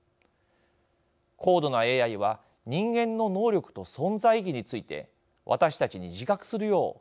高度なＡＩは人間の能力と存在意義について私たちに自覚するよう呼びかけているのです。